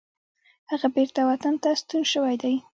هغه بیرته وطن ته ستون شوی دی.